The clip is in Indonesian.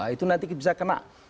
itu nanti bisa kena